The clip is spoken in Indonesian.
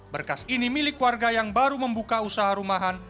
berkas ini milik warga yang baru membuka usaha rumahan